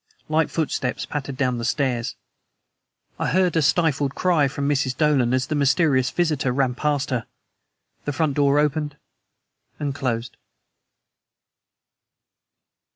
Light footsteps pattered down the stairs. I heard a stifled cry from Mrs. Dolan as the mysterious visitor ran past her. The front door opened and closed.